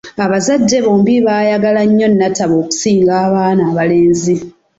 Abazadde bombi baayagala nnyo Natabo okusinga abaana abalenzi.